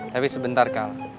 tapi sebentar kal